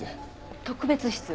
特別室？